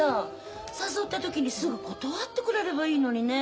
誘った時にすぐ断ってくれればいいのにね。